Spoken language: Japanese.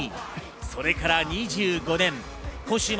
それから２５年、今週末